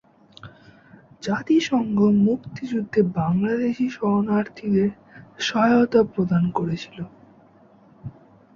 জাতিসংঘ মুক্তিযুদ্ধে বাংলাদেশী শরণার্থীদের সহায়তা প্রদান করেছিল।